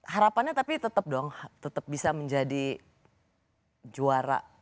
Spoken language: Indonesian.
harapannya tapi tetap dong tetap bisa menjadi juara